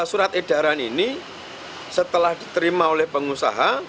surat edaran ini setelah diterima oleh pengusaha